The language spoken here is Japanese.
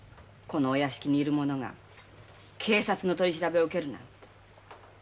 このお屋敷にいる者が警察の取り調べを受けるなんて。